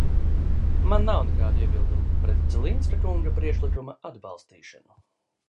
Man nav nekādu iebildumu pret Cilinska kunga priekšlikuma atbalstīšanu.